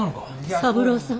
三郎さん。